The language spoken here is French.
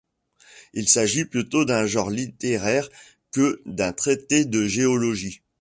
Il s'agit plutôt d'un genre littéraire que d'un traité de géologie.